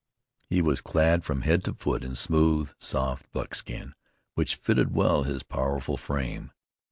He was clad from head to foot in smooth, soft buckskin which fitted well his powerful frame.